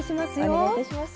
お願いいたします。